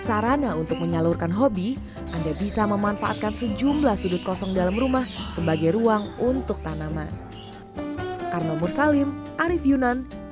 sarana untuk menyalurkan hobi anda bisa memanfaatkan sejumlah sudut kosong dalam rumah sebagai ruang untuk tanaman